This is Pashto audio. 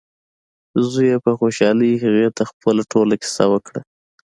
زوی یې په خوشحالۍ هغې ته خپله ټوله کیسه وکړه.